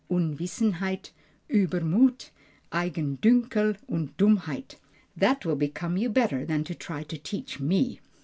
(Unwissenheit, Übermuth, Eigendünkel, und Dummheit). "That will become you better than to try to teach me."